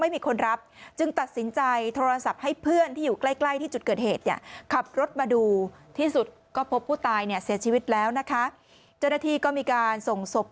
มาดูที่สุดก็พบผู้ตายเนี่ยเสียชีวิตแล้วนะคะเจ้าหน้าที่ก็มีการส่งสบ